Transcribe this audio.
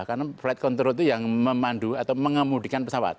karena flight control itu yang memandu atau mengemudikan pesawat